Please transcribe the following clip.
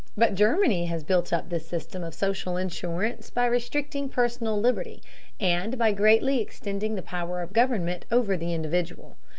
But Germany has built up this system of social insurance by restricting personal liberty, and by greatly extending the power of government over the individual.